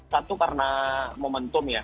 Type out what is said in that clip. satu karena momentum ya